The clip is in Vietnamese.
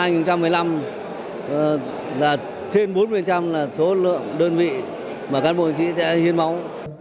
nên là trên bốn mươi là số lượng đơn vị mà cán bộ chiến sĩ sẽ hiến máu